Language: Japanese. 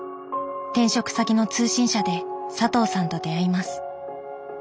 転職先の通信社で佐藤さんと出会います。